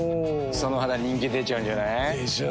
その肌人気出ちゃうんじゃない？でしょう。